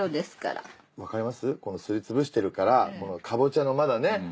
すりつぶしてるからかぼちゃのまだね。